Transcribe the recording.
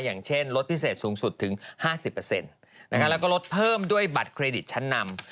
อย่างเช่นลดพิเศษสูงสุดถึง๕๐แล้วก็ลดเพิ่มด้วยบัตรเครดิตชั้นนำ